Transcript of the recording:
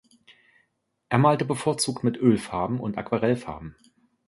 Er malte bevorzugt mit Ölfarben und Aquarellfarben.